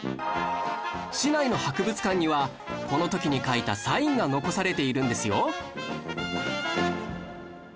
市内の博物館にはこの時に書いたサインが残されているんですよ